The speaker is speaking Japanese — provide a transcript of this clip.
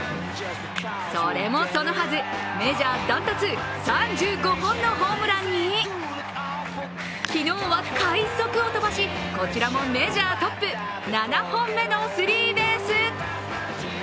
それもそのはず、メジャー断トツ、３５本のホームランに、昨日は快速を飛ばしこちらもメジャートップ７本目のスリーベース。